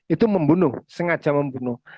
itu membunuh sengaja membunuh